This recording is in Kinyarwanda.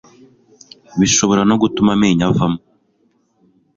bishobora no gutuma amenyo avamo